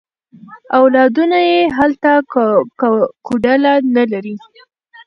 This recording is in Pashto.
اولادونه یې هلته کوډله نه لري.